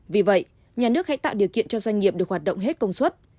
vì vậy nhà nước hãy tạo điều kiện cho doanh nghiệp được hoạt động hết công suất